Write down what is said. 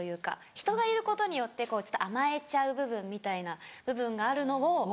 人がいることによって甘えちゃう部分みたいな部分があるのを。